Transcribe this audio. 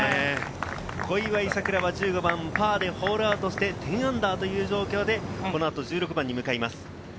小祝さくらは１５番、パーでホールアウトして、−１０という状況で、この後、１６番に向かいます。